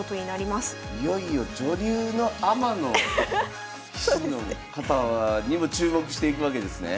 いよいよ女流のアマの棋士の方にも注目していくわけですね。